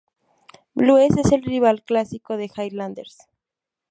Blues es el rival clásico de Highlanders.